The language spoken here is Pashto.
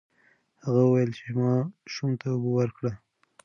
هغه وویل چې ماشوم ته اوبه ورکړه.